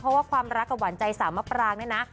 เพราะว่าความรักกับหวานใจสาวมะปรางเนี่ยนะ